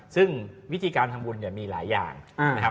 ซึ่งวิธีการทำบุญเนี่ยมีหลายอย่างนะครับ